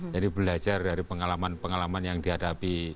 jadi belajar dari pengalaman pengalaman yang dihadapi